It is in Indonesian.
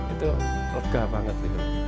itu lega banget gitu